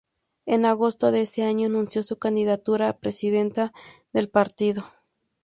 En agosto de ese año anunció su candidatura a presidenta del partido.